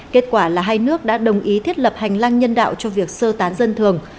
kết quả là hai nước đã đồng ý thiết lập hành lang nhân đạo cho việc sơ tán dân thường